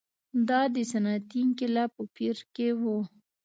دا د صنعتي انقلاب په پېر کې و.